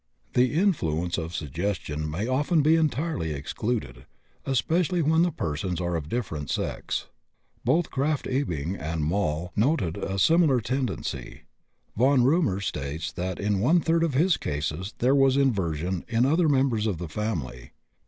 The influence of suggestion may often be entirely excluded, especially when the persons are of different sex. Both Krafft Ebing and Moll noted a similar tendency. Von Römer states that in one third of his cases there was inversion in other members of the family.